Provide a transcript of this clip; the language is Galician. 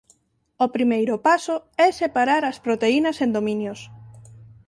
O primeiro paso é separar as proteínas en dominios.